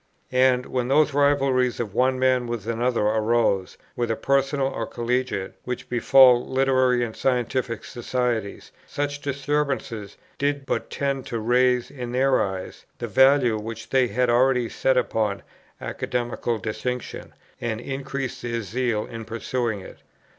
And, when those rivalries of one man with another arose, whether personal or collegiate, which befall literary and scientific societies, such disturbances did but tend to raise in their eyes the value which they had already set upon academical distinction, and increase their zeal in pursuing it.